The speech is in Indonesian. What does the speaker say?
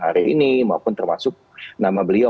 hari ini maupun termasuk nama beliau